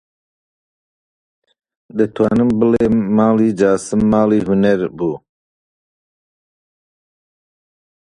دەتوانم بڵێم ماڵی جاسم ماڵی هونەر بوو: